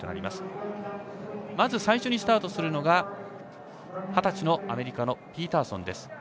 まず最初にスタートするのが二十歳のアメリカのピーターソンです。